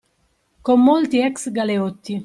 Con molti ex-galeotti